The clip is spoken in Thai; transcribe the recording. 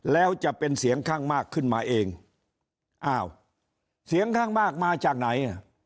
แล้วจะเป็นเสียงข้างมากขึ้นมาเองอ้าวเสียงข้างมากมาจากไหน